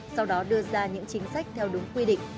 sau đó đưa ra những chính sách theo đúng quy định